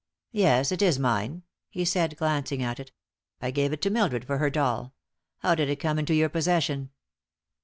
"Yes, it is mine," he said, glancing at it. "I gave it to Mildred for her doll. How did it come into your possession?"